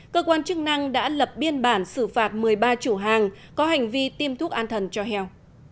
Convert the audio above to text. cơ quan chức năng đã lập biên bản xử phạt một mươi ba chủ hàng có hành vi tiêm thuốc an thần cho heo